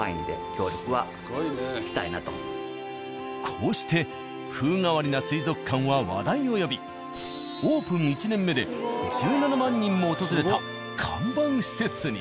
こうして風変わりな水族館は話題を呼びオープン１年目で１７万人も訪れた看板施設に。